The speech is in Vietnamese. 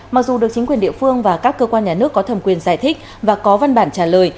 mặc dù được chính quyền địa phương và các cơ quan nhà nước có thẩm quyền giải thích và có văn bản trả lời